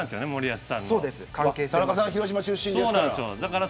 田中さん広島出身ですから。